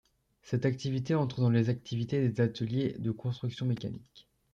Cette activité entre dans les activités des ateliers de constructions mécaniques.